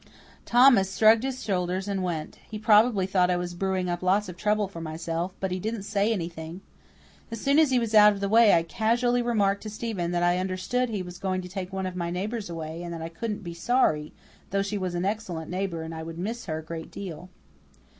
Thomas shrugged his shoulders and went. He probably thought I was brewing up lots of trouble for myself, but he didn't say anything. As soon as he was out of the way I casually remarked to Stephen that I understood that he was going to take one of my neighbours away and that I couldn't be sorry, though she was an excellent neighbour and I would miss her a great deal.